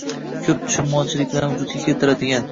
ko‘plab tushunmovchiliklarni vujudga keltiradigan